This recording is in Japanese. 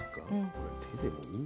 これ手でもいいのかな。